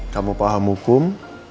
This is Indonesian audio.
kamu paham hukum